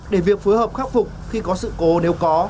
để việc phối hợp khắc phục khi có sự cố nếu có được triển khai nhanh hơn